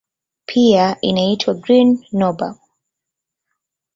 Pia inaitwa "Green Nobel".